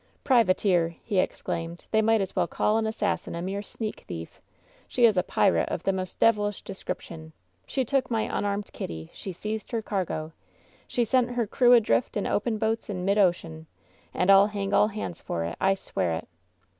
"Privateer !'' he exclaimed. "They might as well call an assassin a mere sneak thief. She is a pirate of the most devilish description. She took my unarmed Kitty. She seized her cargo. She sent her crew adrift in open boats in midocean. And FU hang all hands for it. I swear it!''